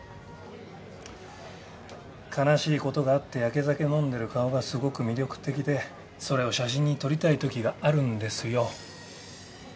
悲しいことがあってやけ酒飲んでる顔がすごく魅力的でそれを写真に撮りたいときがあるんですよ。